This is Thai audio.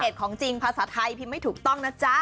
ของจริงภาษาไทยพิมพ์ไม่ถูกต้องนะจ๊ะ